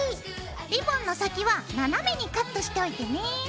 リボンの先は斜めにカットしておいてね。